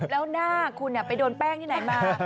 แล้วหน้าคุณไปโดนแป้งที่ไหนมา